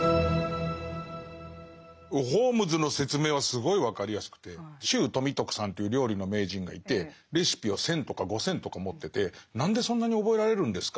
ホームズの説明はすごい分かりやすくて周富徳さんっていう料理の名人がいてレシピは１，０００とか５，０００とか持ってて「何でそんなに覚えられるんですか？」